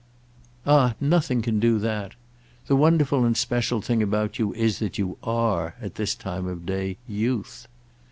"Ah nothing can do that! The wonderful and special thing about you is that you are, at this time of day, youth."